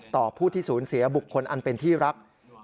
ผู้ที่สูญเสียบุคคลอันเป็นที่รัก